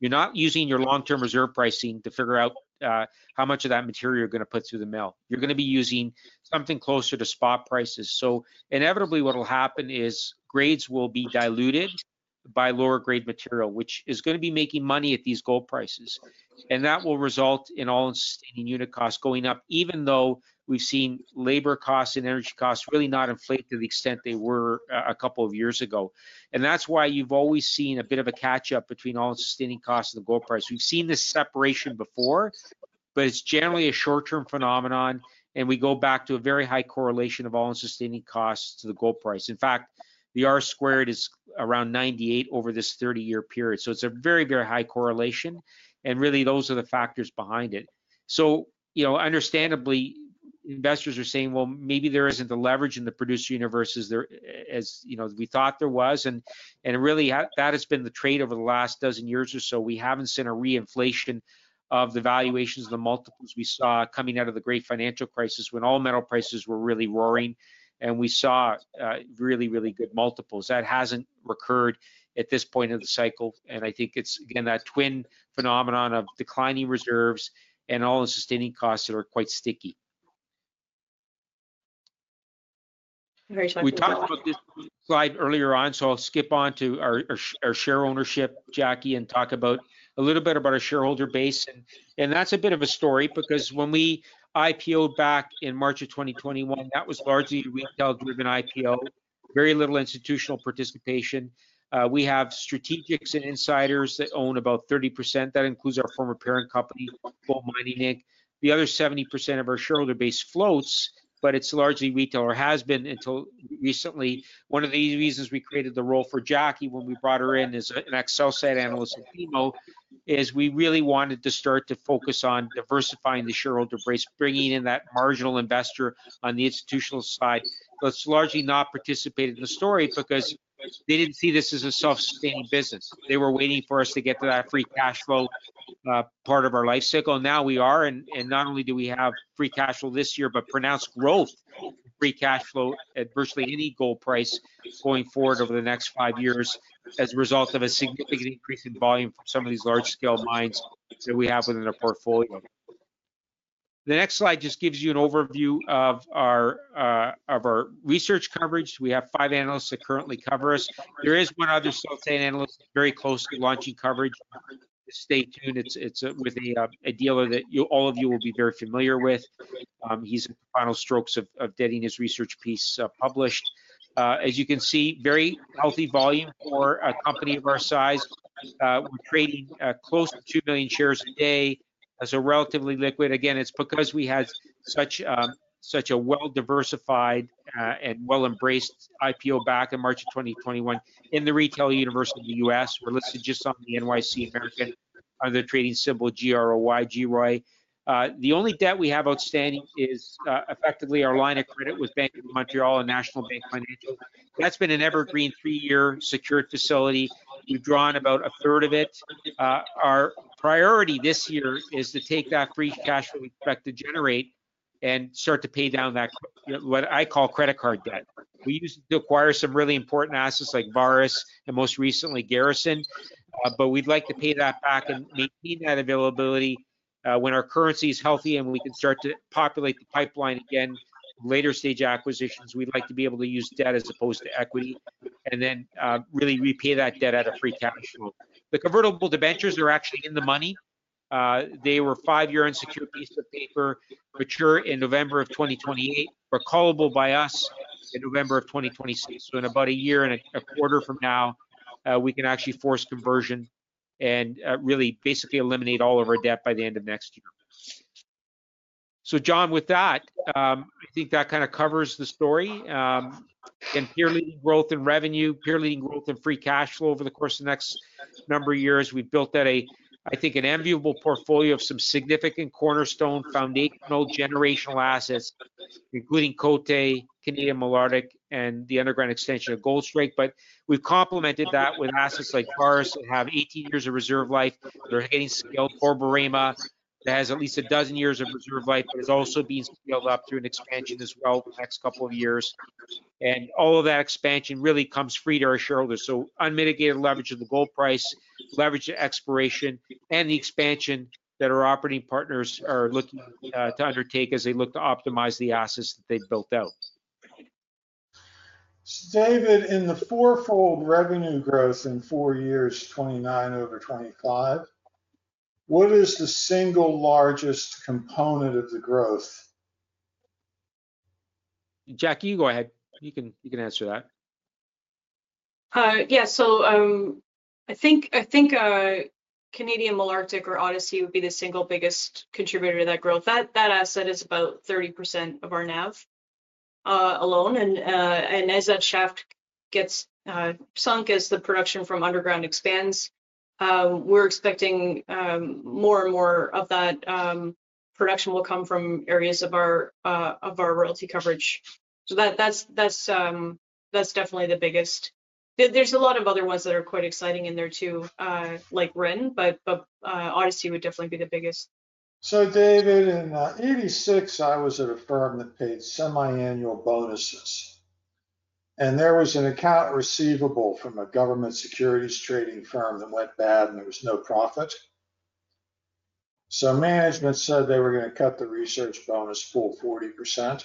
you're not using your long-term reserve pricing to figure out how much of that material you're going to put through the mill. You're going to be using something closer to spot prices. Inevitably, what will happen is grades will be diluted by lower-grade material, which is going to be making money at these gold prices. That will result in all-in sustaining unit costs going up, even though we've seen labor costs and energy costs really not inflate to the extent they were a couple of years ago. That's why you've always seen a bit of a catch-up between all-in sustaining costs and the gold price. We've seen this separation before, but it's generally a short-term phenomenon. We go back to a very high correlation of all-in sustaining costs to the gold price. In fact, the R-squared is around 98% over this 30-year period. It is a very, very high correlation. Really, those are the factors behind it. Understandably, investors are saying, "Maybe there isn't the leverage in the producer universe as we thought there was." That has been the trade over the last dozen years or so. We have not seen a reinflation of the valuations of the multiples we saw coming out of the Great Financial Crisis when all metal prices were really roaring. We saw really, really good multiples. That has not recurred at this point of the cycle. I think it is, again, that twin phenomenon of declining reserves and all-in sustaining costs that are quite sticky. We talked about this slide earlier on. I'll skip on to our share ownership, Jackie, and talk a little bit about our shareholder base. That's a bit of a story because when we IPO'd back in March of 2021, that was largely a retail-driven IPO, very little institutional participation. We have strategics and insiders that own about 30%. That includes our former parent company, Gold Mining Inc. The other 70% of our shareholder base floats, but it's largely retail or has been until recently. One of the reasons we created the role for Jackie when we brought her in as an Excel site analyst at FEMA is we really wanted to start to focus on diversifying the shareholder base, bringing in that marginal investor on the institutional side. It's largely not participated in the story because they didn't see this as a self-sustaining business. They were waiting for us to get to that free cash flow part of our life cycle. Now we are. And not only do we have free cash flow this year, but pronounced growth in free cash flow at virtually any gold price going forward over the next five years as a result of a significant increase in volume from some of these large-scale mines that we have within our portfolio. The next slide just gives you an overview of our research coverage. We have five analysts that currently cover us. There is one other self-sustaining analyst very closely launching coverage. Stay tuned. It's with a dealer that all of you will be very familiar with. He's in the final strokes of getting his research piece published. As you can see, very healthy volume for a company of our size. We're trading close to 2 million shares a day. It's relatively liquid. Again, it's because we had such a well-diversified and well-embraced IPO back in March of 2021 in the retail universe of the U.S. We're listed just on the NYSE American under the trading symbol GROY. The only debt we have outstanding is effectively our line of credit with Bank of Montreal and National Bank Financial. That's been an evergreen three-year secured facility. We've drawn about a third of it. Our priority this year is to take that free cash that we expect to generate and start to pay down that, what I call, credit card debt. We use it to acquire some really important assets like Vareš and most recently Garrison. We'd like to pay that back and maintain that availability when our currency is healthy and we can start to populate the pipeline again. Later stage acquisitions, we'd like to be able to use debt as opposed to equity and then really repay that debt out of free cash flow. The convertible debentures are actually in the money. They were five-year unsecured pieces of paper, mature in November of 2028, recallable by us in November of 2026. In about a year and a quarter from now, we can actually force conversion and really basically eliminate all of our debt by the end of next year. John, with that, I think that kind of covers the story. Again, peer-leading growth in revenue, peer-leading growth in free cash flow over the course of the next number of years. We've built out, I think, an enviable portfolio of some significant cornerstone foundational generational assets, including Côté, Canadian Malartic, and the underground extension of Goldstrike. We have complemented that with assets like Vareš that have 18 years of reserve life. They are getting scaled for Bomboré that has at least a dozen years of reserve life that is also being scaled up through an expansion as well over the next couple of years. All of that expansion really comes free to our shareholders. Unmitigated leverage of the gold price, leverage to exploration, and the expansion that our operating partners are looking to undertake as they look to optimize the assets that they have built out. David, in the four-fold revenue growth in four years, 2029 over 2025, what is the single largest component of the growth? Jackie, you go ahead. You can answer that. Yeah. I think Canadian Malartic or Odyssey would be the single biggest contributor to that growth. That asset is about 30% of our NAV alone. As that shaft gets sunk, as the production from underground expands, we're expecting more and more of that production will come from areas of our royalty coverage. That's definitely the biggest. There's a lot of other ones that are quite exciting in there too, like Ren, but Odyssey would definitely be the biggest. David, in 1986, I was at a firm that paid semi-annual bonuses. There was an account receivable from a government securities trading firm that went bad and there was no profit. Management said they were going to cut the research bonus full 40%.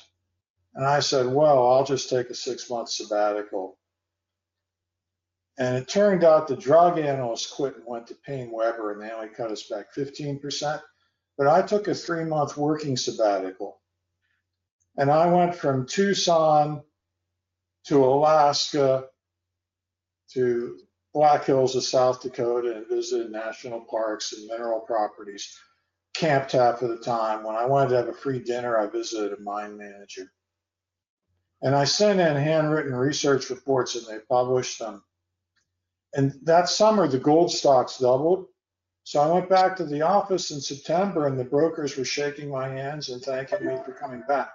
I said, "I'll just take a six-month sabbatical." It turned out the drug analyst quit and went to PaineWebber, and they only cut us back 15%. I took a three-month working sabbatical. I went from Tucson to Alaska to Black Hills of South Dakota and visited national parks and mineral properties, Camp Taff at the time. When I wanted to have a free dinner, I visited a mine manager. I sent in handwritten research reports, and they published them. That summer, the gold stocks doubled. I went back to the office in September, and the brokers were shaking my hands and thanking me for coming back.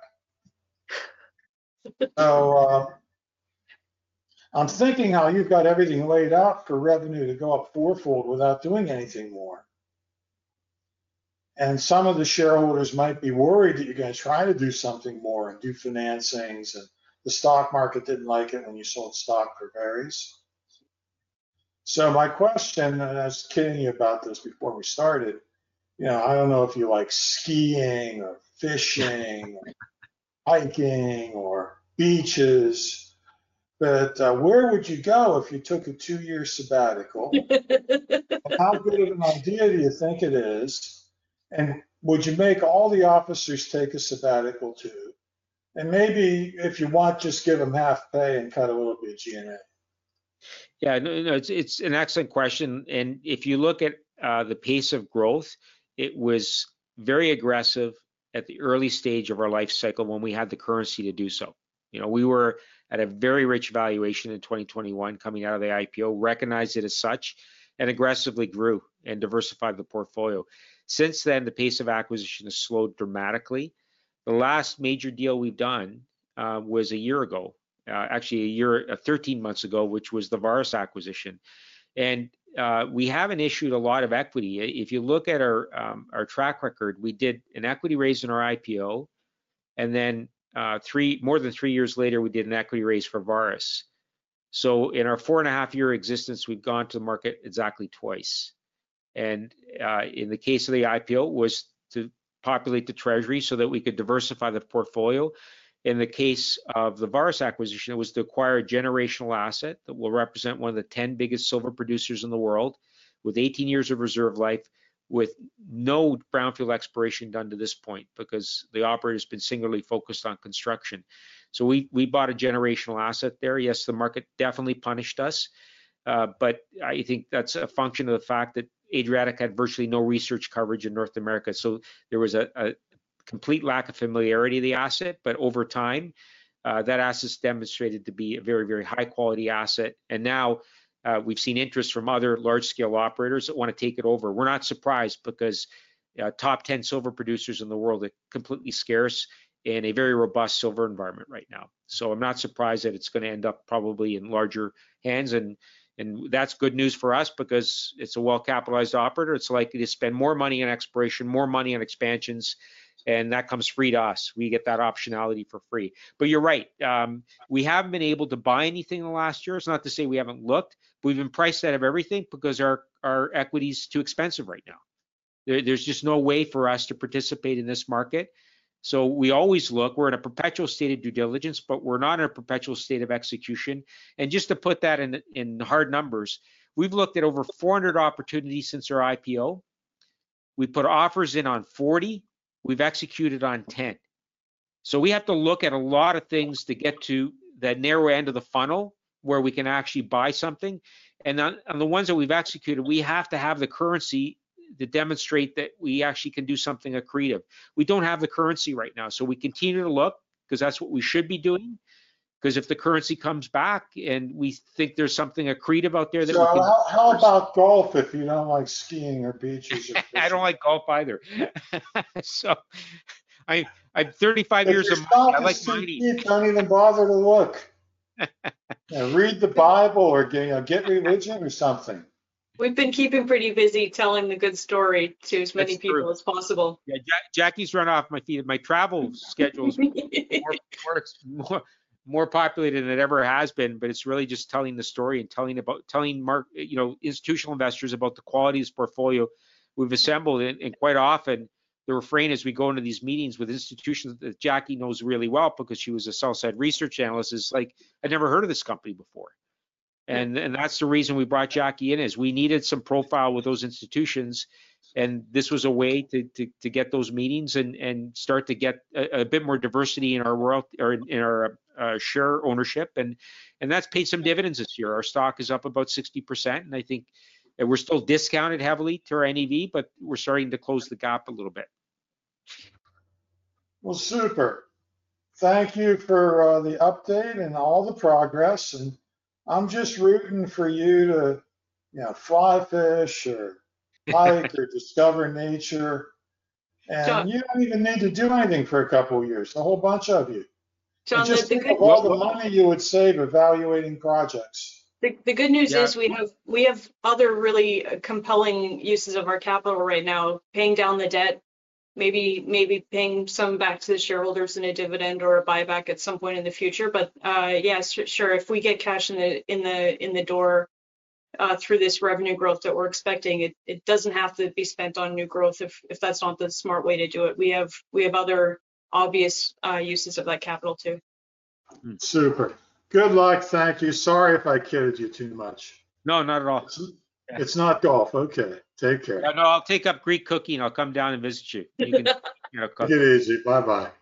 I'm thinking how you've got everything laid out for revenue to go up four-fold without doing anything more. Some of the shareholders might be worried that you're going to try to do something more and do financings, and the stock market did not like it when you sold stock for Barry's. My question, and I was kidding you about this before we started, I do not know if you like skiing or fishing or hiking or beaches, but where would you go if you took a two-year sabbatical? How good of an idea do you think it is? Would you make all the officers take a sabbatical too? Maybe if you want, just give them half pay and cut a little bit of G&A. Yeah. No, it is an excellent question. If you look at the pace of growth, it was very aggressive at the early stage of our life cycle when we had the currency to do so. We were at a very rich valuation in 2021, coming out of the IPO, recognized it as such, and aggressively grew and diversified the portfolio. Since then, the pace of acquisition has slowed dramatically. The last major deal we've done was a year ago, actually a year, 13 months ago, which was the Vareš acquisition. We haven't issued a lot of equity. If you look at our track record, we did an equity raise in our IPO. More than three years later, we did an equity raise for Vareš. In our four-and-a-half-year existence, we've gone to the market exactly twice. In the case of the IPO, it was to populate the treasury so that we could diversify the portfolio. In the case of the Vareš acquisition, it was to acquire a generational asset that will represent one of the 10 biggest silver producers in the world with 18 years of reserve life, with no brownfield exploration done to this point because the operator has been singularly focused on construction. We bought a generational asset there. Yes, the market definitely punished us. I think that's a function of the fact that Adriatic had virtually no research coverage in North America. There was a complete lack of familiarity of the asset. Over time, that asset has demonstrated to be a very, very high-quality asset. Now we've seen interest from other large-scale operators that want to take it over. We're not surprised because top 10 silver producers in the world are completely scarce in a very robust silver environment right now. I'm not surprised that it's going to end up probably in larger hands. That's good news for us because it's a well-capitalized operator. It's likely to spend more money on exploration, more money on expansions. That comes free to us. We get that optionality for free. You're right. We haven't been able to buy anything in the last years. Not to say we haven't looked. We've been priced out of everything because our equity is too expensive right now. There's just no way for us to participate in this market. We always look. We're in a perpetual state of due diligence, but we're not in a perpetual state of execution. To put that in hard numbers, we've looked at over 400 opportunities since our IPO. We put offers in on 40. We've executed on 10. We have to look at a lot of things to get to the narrow end of the funnel where we can actually buy something. On the ones that we've executed, we have to have the currency to demonstrate that we actually can do something accretive. We don't have the currency right now. We continue to look because that's what we should be doing. Because if the currency comes back and we think there's something accretive out there that we can— So how about golf if you don't like skiing or beaches? I don't like golf either. So I'm 35 years of—I like money. Don't even bother to look. Read the Bible or get religion or something. We've been keeping pretty busy telling the good story to as many people as possible. Jackie's run off my feet. My travel schedule is more populated than it ever has been, but it's really just telling the story and telling institutional investors about the quality of this portfolio we've assembled. Quite often, the refrain as we go into these meetings with institutions that Jackie knows really well because she was a sell-side research analyst is like, "I never heard of this company before." That is the reason we brought Jackie in, as we needed some profile with those institutions. This was a way to get those meetings and start to get a bit more diversity in our share ownership. That has paid some dividends this year. Our stock is up about 60%. I think we are still discounted heavily to our NAV, but we are starting to close the gap a little bit. Thank you for the update and all the progress. I am just rooting for you to fly fish or hike or discover nature. You do not even need to do anything for a couple of years. A whole bunch of you. The money you would save evaluating projects. The good news is we have other really compelling uses of our capital right now, paying down the debt, maybe paying some back to the shareholders in a dividend or a buyback at some point in the future. Yeah, sure. If we get cash in the door through this revenue growth that we're expecting, it does not have to be spent on new growth if that is not the smart way to do it. We have other obvious uses of that capital too. Super. Good luck. Thank you. Sorry if I kidded you too much. No, not at all. It is not golf. Okay. Take care. No, I will take up Greek cookie, and I will come down and visit you. Get easy. Bye-bye.